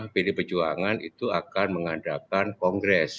dua ribu dua puluh lima pdip berjuangan itu akan mengadakan kongres